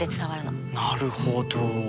なるほど。